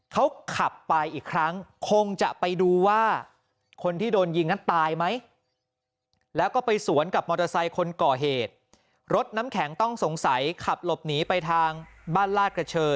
เขาขับไปอีกครั้งคงจะไปดูว่าคนที่โดนยิงนั้นตายไหมแล้วก็ไปสวนกับมอเตอร์ไซค์คนก่อเหตุรถน้ำแข็งต้องสงสัยขับหลบหนีไปทางบ้านลาดกระเชอ